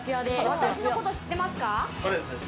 私のこと知ってますか？